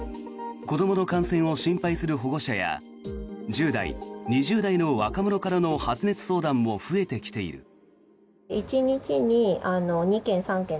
子どもの感染を心配する保護者や１０代、２０代の若者からの発熱相談も増えてきている。